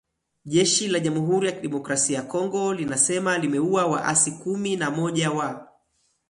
Jeshi la jamhuri ya kidemokrasia ya Kongo linasema limeua waasi kumi na moja wa